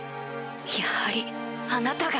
やはりあなたが。